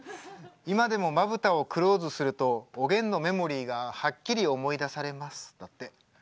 「今でもまぶたをクローズするとおげんのメモリーがはっきり思い出されます」だって。